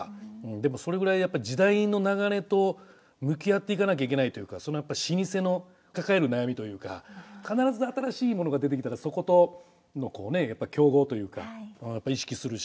でもそれぐらいやっぱ時代の流れと向き合っていかなきゃいけないというかやっぱ老舗の抱える悩みというか必ず新しいものが出てきたらそことのこうね競合というか意識するし。